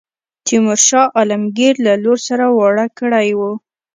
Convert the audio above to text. تیمور شاه عالمګیر له لور سره واړه کړی وو.